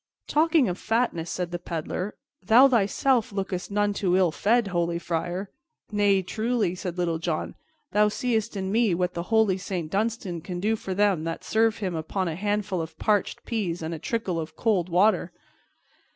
"Talking of fatness," said the Peddler, "thou thyself lookest none too ill fed, holy friar." "Nay, truly," said Little John, "thou seest in me what the holy Saint Dunstan can do for them that serve him upon a handful of parched peas and a trickle of cold water."